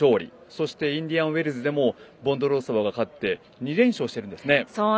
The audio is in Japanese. そしてインディアンウェルズでもボンドロウソバが勝って２連勝してるんですね。